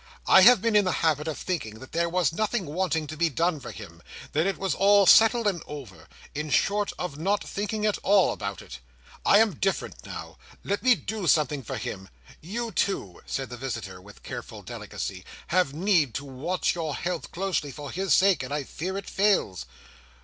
"I have been in the habit of thinking that there was nothing wanting to be done for him; that it was all settled and over; in short, of not thinking at all about it. I am different now. Let me do something for him. You too," said the visitor, with careful delicacy, "have need to watch your health closely, for his sake, and I fear it fails."